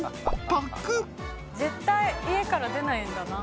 絶対家から出ないんだな。